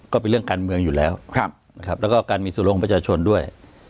ก็เป็นเรื่องการเมืองอยู่แล้วนะครับแล้วก็การมีส่วนลงประชาชนด้วย